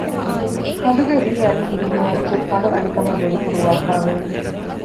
ހަނދުގެ ރިހި އަލިން ދުނިޔެމައްޗަށް ފަނޑު އަލިކަމެއް ވެރިކުރުވާފައި ވެ